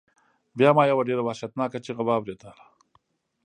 بیا ما یو ډیر وحشتناک چیغہ واوریده.